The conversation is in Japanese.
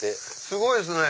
すごいですね！